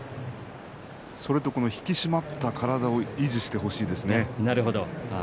それと引き締まった体を維持してほしいですね。